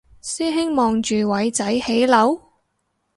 師兄望住偉仔起樓？